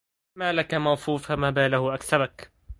مالك موفور فما باله اكسبك